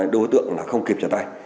đối tượng là không kịp trở tay